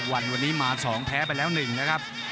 วันวันนี้มา๒แพ้ไปแล้ว๑นะครับ